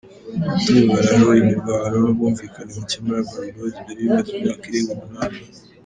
Imidugararo, imirwano n’ubwumvikane buke muri Urban Boyz byari bimaze imyaka irenga umunani.